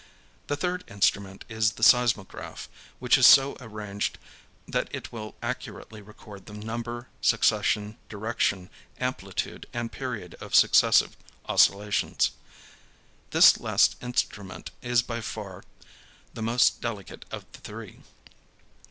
The third instrument is the seismograph, which is so arranged that it will accurately record the number, succession, direction, amplitude and period of successive oscillations. This last instrument is by far the most delicate of the three.